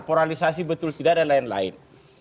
polarisasi betul tidak dan lain lain